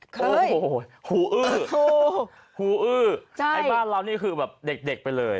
เคยหัวเอ้าหัวเอ้าประเทศไทยคือเด็กไปเลย